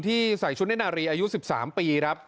ที่ใส่ชุดแน่นารีอายุ๑๓ปี